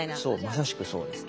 まさしくそうですね。